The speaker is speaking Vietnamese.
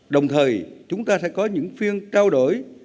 đồng thời chúng ta sẽ có những phiên trao đổi